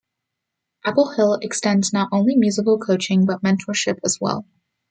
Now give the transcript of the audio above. Apple Hill extends not only musical coaching but mentorship as well.